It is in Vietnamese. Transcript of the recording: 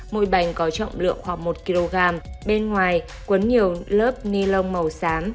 mùi bành có trọng lượng khoảng một kg bên ngoài quấn nhiều lớp ni lông màu xám